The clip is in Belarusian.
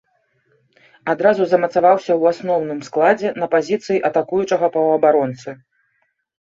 Адразу замацаваўся ў асноўным складзе на пазіцыі атакуючага паўабаронцы.